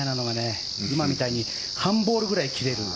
今みたいに半ボールぐらい切れる。